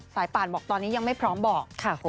สายปากบอกตอนนี้ยังไม่พร้อมบอกค่ะคุณ